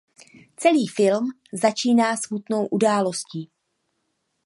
Celý film začíná smutnou událostí.